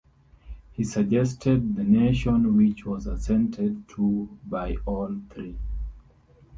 He suggested "The Nation", which was assented to by all three.